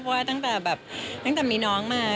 เพราะว่าตั้งแต่มีน้องมา